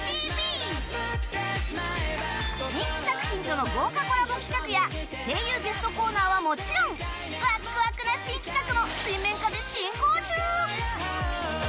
人気作品との豪華コラボ企画や声優ゲストコーナーはもちろんワクワクな新企画も水面下で進行中！